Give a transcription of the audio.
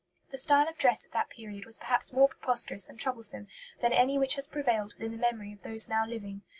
The style of dress at that period was perhaps more preposterous and troublesome than any which has prevailed within the memory of those now living.